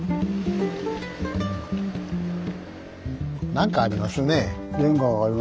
何かありますね。